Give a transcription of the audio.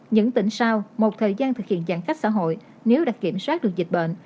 những tỉnh sau một thời gian thực hiện giãn cách xã hội nếu đã kiểm soát được dịch bệnh